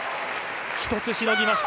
一つしのぎました。